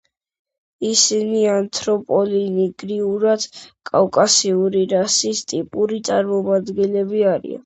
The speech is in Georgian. ისინი ანთროპოლოგიურად კავკასიური რასის ტიპური წარმომადგენლები არიან.